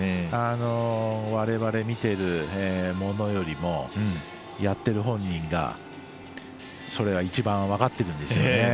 われわれ、見てる者よりもやってる本人が、それが一番分かってるんでしょうね。